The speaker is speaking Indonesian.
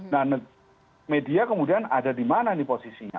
nah media kemudian ada di mana ini posisinya